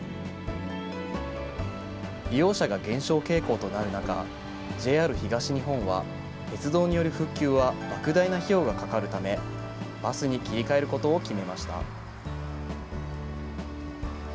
利用者が減少傾向となる中、ＪＲ東日本は、鉄道による復旧はばく大な費用がかかるため、バスに切り替えることを決めました。